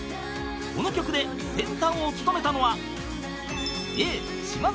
［この曲でセンターを務めたのは］